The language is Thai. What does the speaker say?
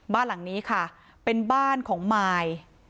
บ้านหลังนี้ค่ะเป็นบ้านของมาย